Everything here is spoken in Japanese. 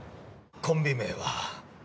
コンビ名は。